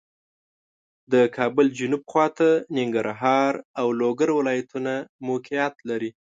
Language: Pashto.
د کابل جنوب خواته ننګرهار او لوګر ولایتونه موقعیت لري